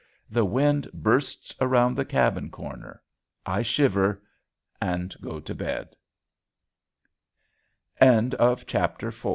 The wind bursts around the cabin corner. I shiver and go to bed. CHAPTER V WAITIN